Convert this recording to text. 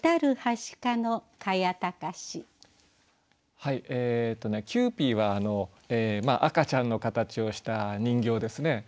はいえっとねキューピーは赤ちゃんの形をした人形ですね。